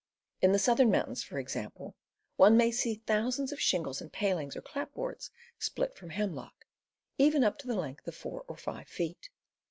In the southern mountains, for example, one may see thou sands of shingles and palings or clapboards split from hemlock, even up to the length of four or five feet.